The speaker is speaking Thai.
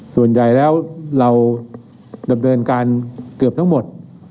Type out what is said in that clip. ส่วนใหญ่แล้วเราดำเนินการเกือบทั้งหมด